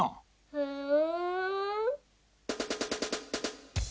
ふん。